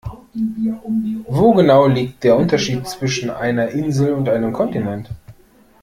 Wo genau liegt der Unterschied zwischen einer Insel und einem Kontinent?